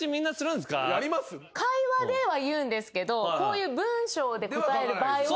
会話では言うんですけどこういう文章で答える場合は。